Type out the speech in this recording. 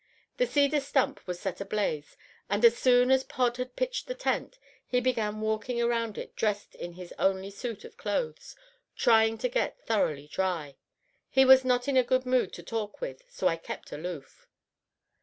The cedar stump was set ablaze, and as soon as Pod had pitched the tent, he began walking around it dressed in his only suit of clothes, trying to get thoroughly dry. He was not in a good mood to talk with, so I kept aloof.